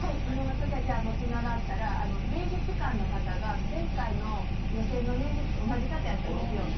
リモートでもうつながったら面接官の方が前回の予選の面接と同じ方やったんですよ。